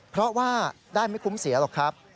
เพราะว่าได้ไม่คุ้มเสียหรอกครับ